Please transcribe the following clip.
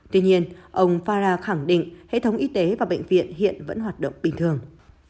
tuy nhiên ông fara khẳng định hệ thống y tế và bệnh viện hiện vẫn hoạt động bình thường